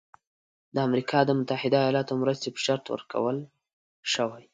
د امریکا د متحده ایالاتو مرستې په شرط ورکول شوی.